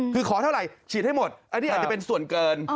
คือขอเท่าไหร่ฉีดให้หมดอันนี้อาจจะเป็นส่วนเกิน